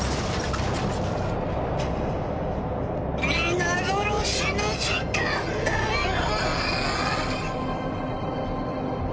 皆殺しの時間だよ！